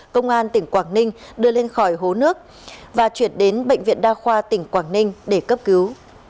công an tỉnh quảng ninh đưa lên khỏi hố nước và chuyển đến bệnh viện đa khoa tỉnh quảng ninh để cấp cứu